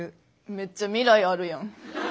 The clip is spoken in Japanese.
めっちゃ未来あるやん。